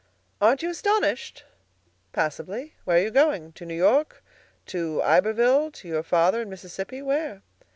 "Aren't you astonished?" "Passably. Where are you going? to New York? to Iberville? to your father in Mississippi? where?"